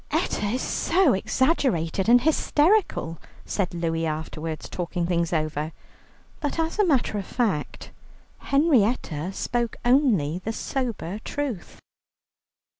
"Etta is so exaggerated and hysterical," said Louie afterwards, talking things over. But as a matter of fact Henrietta spoke only the sober truth.